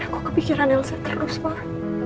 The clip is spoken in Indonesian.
aku kepikiran elsa terus om